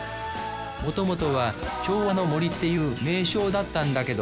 もともとは昭和の森っていう名称だったんだけど